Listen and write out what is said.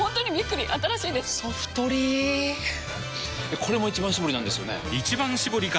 これも「一番搾り」なんですよね